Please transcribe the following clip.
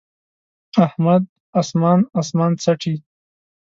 احمد اسمان اسمان څټي.